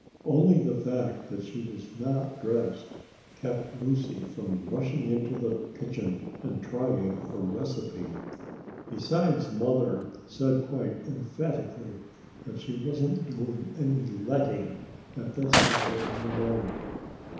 Only the fact that she was not dressed kept Lucy from rushing into the kitchen and trying a receipt. Besides, Mother said quite emphatically that she wasn't doing any "letting" at that hour in the morning.